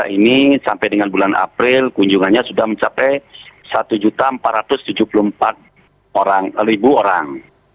dua ribu dua puluh tiga ini sampai dengan bulan april kunjungannya sudah mencapai satu empat ratus tujuh puluh empat orang